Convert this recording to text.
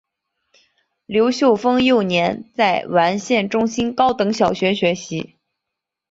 刘秀峰幼年在完县中心高等小学学习。